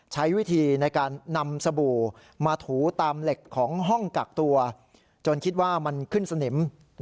ใช้วิธีในการนำสบู่มาถูตามเหล็กของห้องกักตัวจนคิดว่ามันขึ้นสนิม